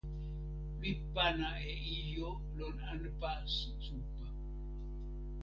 mi pana e ijo lon anpa supa